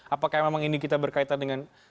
apakah memang ini kita berkaitan dengan